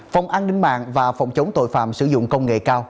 phòng an ninh mạng và phòng chống tội phạm sử dụng công nghệ cao